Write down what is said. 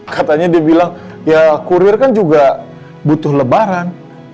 katanya dia bilang ya kurir kan juga butuh lebaran